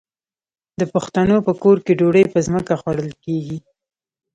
د پښتنو په کور کې ډوډۍ په ځمکه خوړل کیږي.